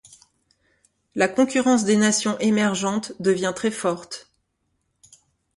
La concurrence des nations émergentes devient très forte.